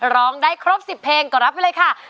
ร้องได้ครบ๑๐เพลงก็รับไปเลยค่ะ